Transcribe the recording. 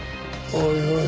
おいおい